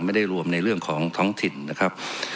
ไม่ได้รวมในเรื่องของท้องถิ่นนะครับ